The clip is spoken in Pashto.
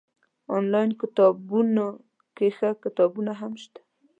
انلاين کتابتون کي ښه کتابونه هم شته